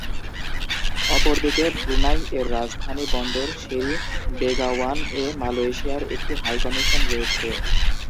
অপরদিকে, ব্রুনাই এর রাজধানী বন্দর সেরি বেগাওয়ান-এ মালয়েশিয়ার একটি হাই কমিশন রয়েছে।